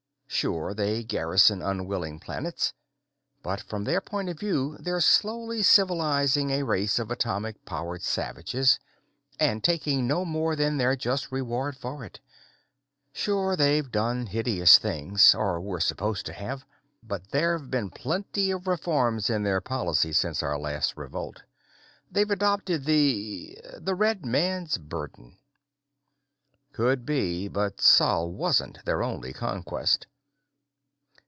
Sure, they garrison unwilling planets. But from their point of view, they're slowly civilizing a race of atomic powered savages, and taking no more than their just reward for it. Sure, they've done hideous things, or were supposed to have, but there've been plenty of reforms in their policy since our last revolt. They've adopted the the red man's burden." "Could be. But Sol wasn't their only conquest."